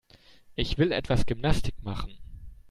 Ich will etwas Gymnastik machen.